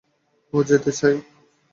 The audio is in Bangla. ও যেতে চায়।